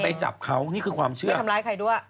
แต่เขาก็กลับเองไม่ทำร้ายใครด้วย